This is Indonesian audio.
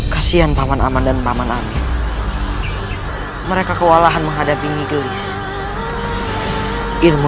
kesian taman aman dan maman amin mereka kewalahan menghadapi nihilis ilmu